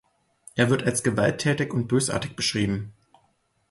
Er wird als gewalttätig und bösartig beschrieben.